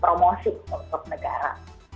promosi untuk negara